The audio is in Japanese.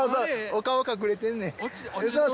お顔隠れてんねんそう！